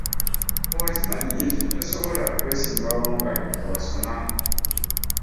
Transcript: Okimanyi nti tosobala kwesimbawo nga tewasoma.